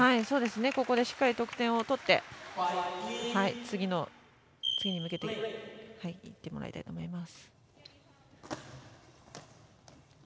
ここでしっかり得点を取って、次に向けていってもらいたいと思います。